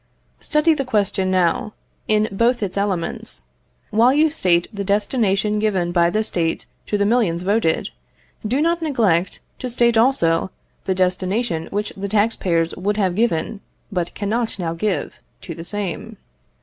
Study the question, now, in both its elements. While you state the destination given by the State to the millions voted, do not neglect to state also the destination which the tax payer would have given, but cannot now give, to the same.